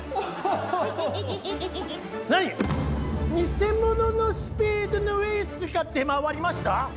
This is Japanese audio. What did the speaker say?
偽物のスペードのエースが出回りました